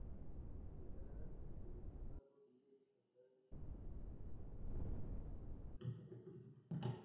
Se han preservado diez ejemplares en museos, pero ninguno tiene capacidad para volar.